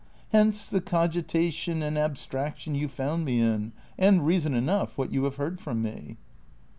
Hence the cogitation and abstraction you found me in, and reason enough, what you have heard from me."